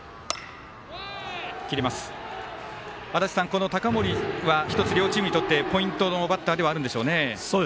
この高森は両チームにとってポイントのバッターではあるんでしょうね。